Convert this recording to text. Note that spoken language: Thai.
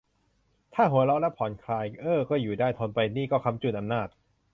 ถ้าหัวเราะแล้วผ่อนคลาย เอ้อ ก็อยู่ได้ ทนไป นี่ก็ค้ำจุนอำนาจ